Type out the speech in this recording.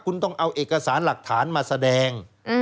คุณต้องเอาเอกสารหลักฐานมาแสดง